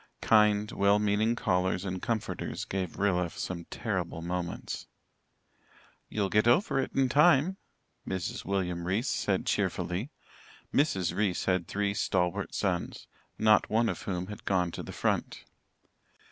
Kind, well meaning callers and comforters gave Rilla some terrible moments. "You'll get over it in time," Mrs. William Reese said, cheerfully. Mrs. Reese had three stalwart sons, not one of whom had gone to the front.